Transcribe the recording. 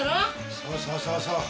そうそうそうそう。